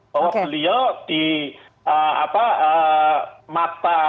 bahwa beliau di mata